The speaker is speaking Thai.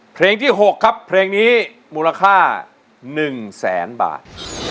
เพลงที่๖ครับเพลงนี้มูลค่า๑แสนบาท